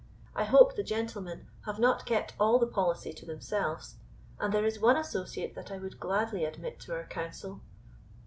I hope the gentlemen have not kept all the policy to themselves; and there is one associate that I would gladly admit to our counsel."